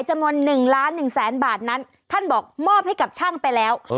จำนวน๑ล้าน๑แสนบาทนั้นท่านบอกมอบให้กับช่างไปแล้ว